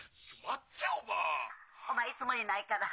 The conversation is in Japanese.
☎お前いつもいないから。